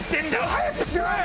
⁉早くしろよ‼